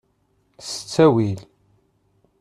S ttawil!